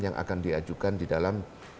yang akan diajukan di dalam